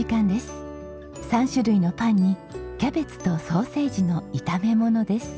３種類のパンにキャベツとソーセージの炒めものです。